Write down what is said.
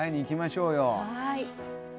はい。